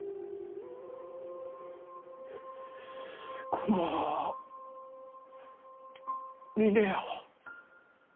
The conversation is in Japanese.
この峰屋を。